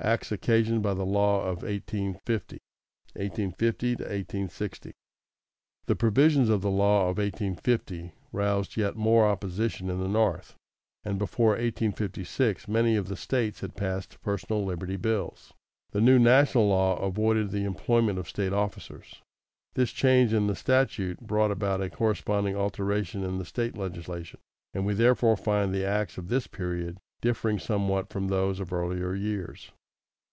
Acts occasioned by the law of 1850 (1850 1860).= The provisions of the law of 1850 roused yet more opposition in the North, and before 1856 many of the States had passed personal liberty bills. The new national law avoided the employment of State officers. This change in the statute brought about a corresponding alteration in the State legislation, and we therefore find the acts of this period differing somewhat from those of earlier years.